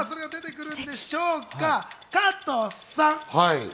加藤さん。